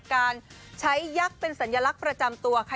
การใช้ยักษ์เป็นสัญลักษณ์ประจำตัวค่ะ